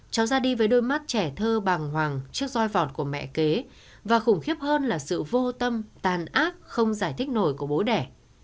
cháu ra đi với đôi mắt trẻ thơ bàng hoàng trước roi vọt của mẹ kế và khủng khiếp hơn là sự vô tâm tàn ác không giải thích nổi của bố đẻ